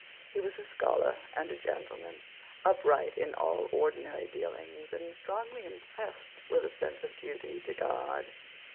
He was a scholar and a gentleman, upright in all ordinary dealings, and strongly impressed with a sense of duty to God.